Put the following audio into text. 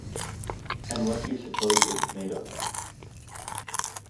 And what do you suppose it's made of?